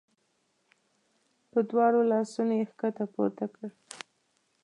په دواړو لاسونو یې ښکته پورته کړ.